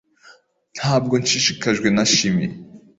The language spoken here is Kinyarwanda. Ntabwo nshishikajwe na chimie